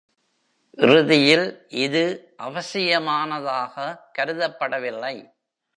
இறுதியில், இது அவசியமானதாக கருதப்படவில்லை.